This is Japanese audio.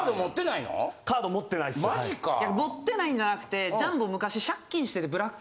いや持ってないんじゃなくてジャンボ昔。